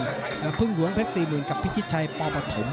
แล้วพึ่งหลวงเพชรสี่หมุนกับพิชิชัยปอปฐม